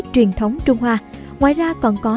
truyền thống trung hoa ngoài ra còn có